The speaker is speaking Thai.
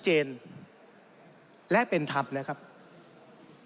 ท่านประธานก็เป็นสอสอมาหลายสมัย